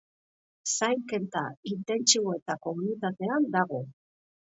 Zainketa intentsiboetako unitatean dago.